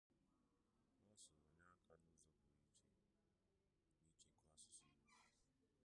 ma soro nye aka n'ụzọ pụrụ iche n'ichekwa asụsụ Igbo